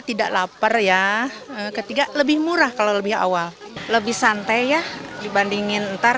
tidak lapar ya ketiga lebih murah kalau lebih awal lebih santai ya dibandingin ntar